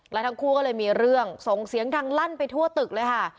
แล้วทั้งคู่ก็เลยมีเรื่องส่งเสียงดังลั่นไปทั่วตึกเลยค่ะ